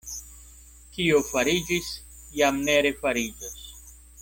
Kio fariĝis, jam ne refariĝos.